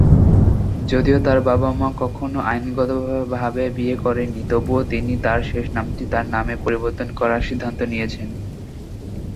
যদিও তার বাবা-মা কখনো আইনগতভাবে বিয়ে করেননি, তবুও তিনি তার শেষ নামটি তার নামে পরিবর্তন করার সিদ্ধান্ত নিয়েছিলেন।